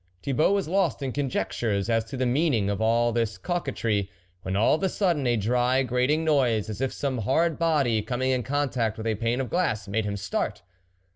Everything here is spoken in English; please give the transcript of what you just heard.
Thibault was lost in conjectures as to the meaning of all this coquetry, when all of a sudden a dry, grating noise, as if some hard body coming in contact with a pane of glass, made him start.